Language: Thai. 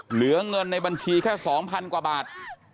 เหลือเงินในบัญชีแค่๒๐๐๐กว่าบาท